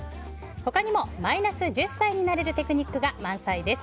他にもマイナス１０歳になれるテクニックが満載です。